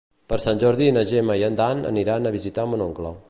Per Sant Jordi na Gemma i en Dan aniran a visitar mon oncle.